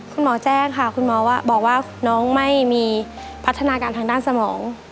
คุณหมอแจ้งค่ะคุณหมอว่าบอกว่าน้องไม่มีพัฒนาการทางด้านสมอง